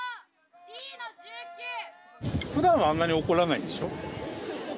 ふだんはあんなに怒らないんでしょ？